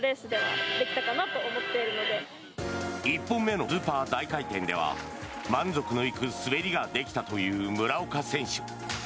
１本目のスーパー大回転では満足のいく滑りができたという村岡選手。